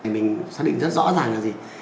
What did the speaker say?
mình xác định rất rõ ràng là gì